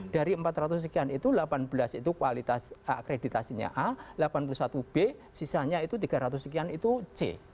dari empat ratus sekian itu delapan belas itu kualitas akreditasinya a delapan puluh satu b sisanya itu tiga ratus sekian itu c